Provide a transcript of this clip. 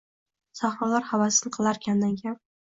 Sahrolar havasin qilar kamdan-kam.